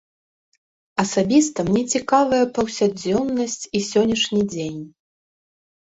Асабіста мне цікавая паўсядзённасць і сённяшні дзень.